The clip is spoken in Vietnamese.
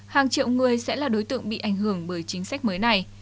hàng triệu người sẽ là đối tượng bị ảnh hưởng bởi chính sách mới này